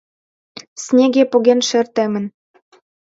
- Снеге поген шер темын.